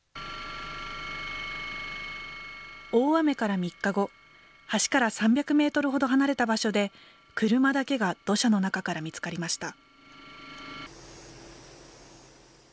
大雨から３日後、橋から３００メートルほど離れた場所で、車だけが土砂の中から見つかりました。